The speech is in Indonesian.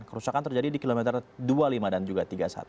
kerusakan terjadi di kilometer dua puluh lima dan juga tiga puluh satu